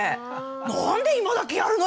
何で今だけやるのよ！